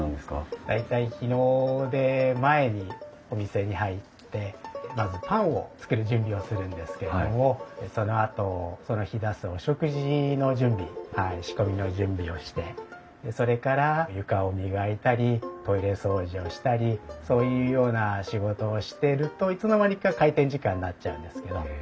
大体日の出前にお店に入ってまずパンを作る準備をするんですけれどもそのあとその日出すお食事の準備仕込みの準備をしてそれから床を磨いたりトイレ掃除をしたりそういうような仕事をしているといつの間にか開店時間になっちゃうんですけど。